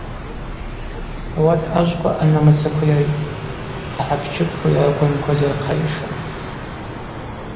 Ауат ажвква анамыцаква йриттӏ, ахӏапчыпква йаргванкваз йырхъайшатӏ.